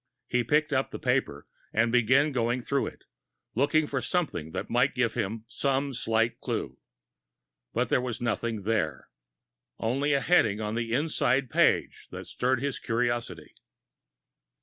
He picked up the paper and began going through it, looking for something that might give him some slight clew. But there was nothing there. Only a heading on an inside page that stirred his curiosity.